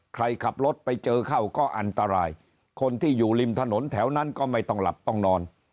ใครขับรถไปเจอเข้าก็อันตรายคนที่อยู่ริมถนนแถวนั้นก็ไม่ต้องหลับต้องนอน